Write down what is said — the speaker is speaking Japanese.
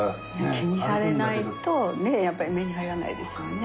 気にされないとねぇやっぱり目に入らないですもんね。